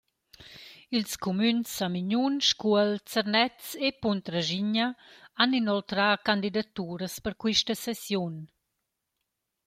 Ils cumüns Samignun, Scuol, Zernez e Puntraschigna han inoltrà candidaturas per quista sessiun.